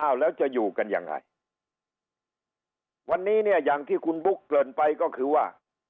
อ้าวแล้วจะอยู่กันยังไงวันนี้เนี่ยอย่างที่คุณบุ๊คเกริ่นไปก็คือว่า